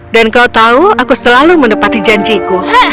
dan kau tahu aku selalu menepati janjiku